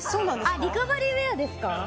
あっリカバリーウェアですか？